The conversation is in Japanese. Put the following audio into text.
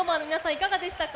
いかがでしたか？